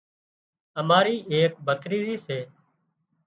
اماري ايڪ ڀتريزِي سي